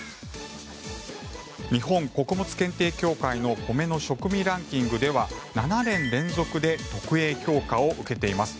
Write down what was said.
日本穀物検定協会の米の食味ランキングでは７年連続で特Ａ評価を受けています。